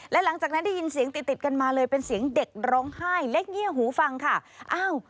และหลังจากนั้นได้ยินเสียงติดติดกันมาเลยเป็นเสียงเด็กร้องไห้เล็กเงียบหูฟังค่ะอ้าว